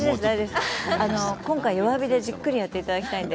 今回弱火でじっくりやっていただきたいので。